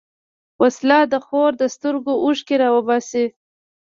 وسله د خور د سترګو اوښکې راوباسي